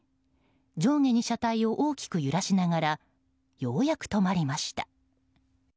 上下に車体を大きく揺らしながらようやく止まりました。